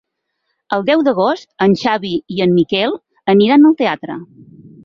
El deu d'agost en Xavi i en Miquel aniran al teatre.